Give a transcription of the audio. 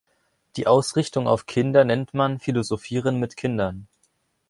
Die Ausrichtung auf Kinder nennt man Philosophieren mit Kindern.